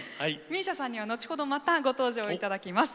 ＭＩＳＩＡさんには後ほどまたご登場いただきます。